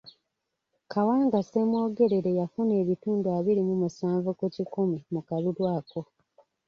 Kawanga Semwogerere yafuna ebitundu abiri mu musanvu ku kikumi mu kalulu ako.